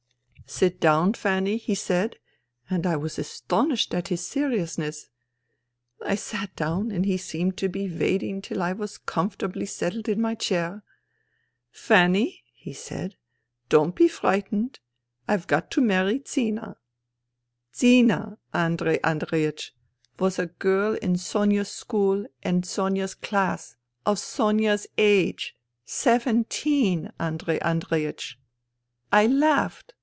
"' Sit down, Fanny,* he said, and I was aston ished at his seriousness. I sat down and he seemed to be waiting till I was comfortably settled in my chair. "' Fanny,' he said, '— don't be frightened — I've got to marry Zina.* " Zina, Andrei Andreiech, was a girl in Soma's c 84 FUTILITY school and Sonia's class, of Sonia's age. Seventeen, Andrei Andreiech. " I laughed.